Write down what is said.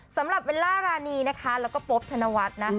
สำหรับเบลล่ารานีนะคะแล้วก็โป๊บธนวัฒน์นะ